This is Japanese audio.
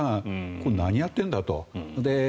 これ、何やってるんだと。